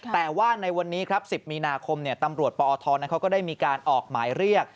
แต่ว่าในวันนี้๑๐มีตำรวจปธได้มีการออกหมายเรียก